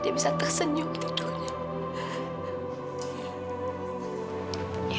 dia bisa tersenyum tidurnya